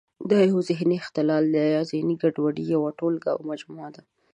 دا یو ذهني اختلال دی یا د ذهني ګډوډیو یوه ټولګه او مجموعه ده.